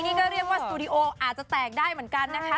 นี่ก็เรียกว่าสตูดิโออาจจะแตกได้เหมือนกันนะคะ